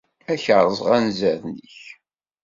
Ad k-rẓeɣ anzaren-ik.